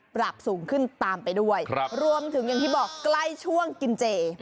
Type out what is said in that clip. ปรับสูงขึ้นตามไปด้วยรวมถึงอย่างที่บอกใกล้ช่วงกินเจ